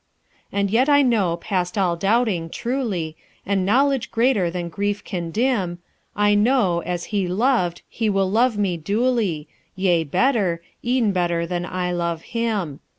"And yet I know past all doubting, truly And knowledge greater than grief can dim I know, as he loved, he will love me duly Yea, better e'en better than I love him.